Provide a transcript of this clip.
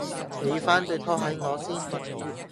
俾番對拖鞋我先